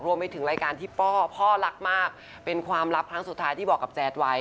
ไปถึงรายการที่ป้อพ่อรักมากเป็นความลับครั้งสุดท้ายที่บอกกับแจ๊ดไว้